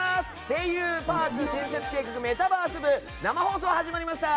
「声優パーク建設計画メタバース部」生放送始まりました。